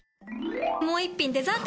もう一品デザート！